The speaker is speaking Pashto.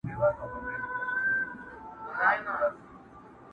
له سنگر څخه سنگر ته خوځېدلی؛